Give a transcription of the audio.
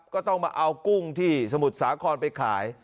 ก็ต้องมาเอากุ้งที่สมุทรสาครไปขาย